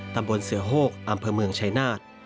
ตำบลเสือโฮกอำเภอเมืองชายนาฏ